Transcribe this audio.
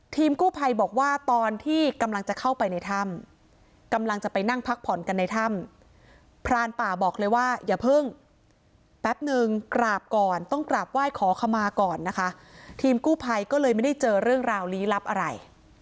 กู้ภัยบอกว่าตอนที่กำลังจะเข้าไปในถ้ำกำลังจะไปนั่งพักผ่อนกันในถ้ำพรานป่าบอกเลยว่าอย่าเพิ่งแป๊บนึงกราบก่อนต้องกราบไหว้ขอขมาก่อนนะคะทีมกู้ภัยก็เลยไม่ได้เจอเรื่องราวลี้ลับอะไร